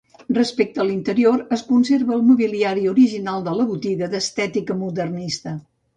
Respecte a l'interior, es conserva el mobiliari original de la botiga d'estètica modernista.